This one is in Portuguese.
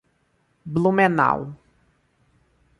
Blumenau